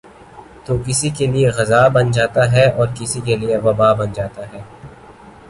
تو کسی کیلئے غذا بن جاتا ہے اور کسی کیلئے وباء بن جاتا ہے ۔